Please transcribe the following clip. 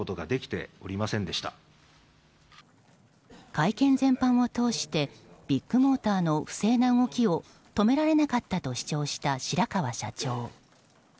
会見全般を通してビッグモーターの不正な動きを止められなかったと主張した白川社長。